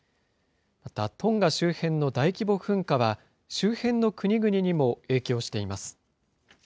また、トンガ周辺の大規模噴火は、周辺の国々にも影響しています。